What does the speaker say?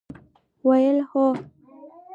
ویل: هو!